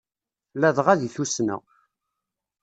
Ladɣa di tussna.